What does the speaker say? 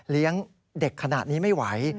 เลี้ยงเด็กขนาดนี้ไม่ไหว